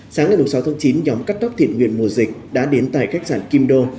sáng ngày sáu tháng chín nhóm cắt tóc thiện nguyện mùa dịch đã đến tại khách sạn kim đô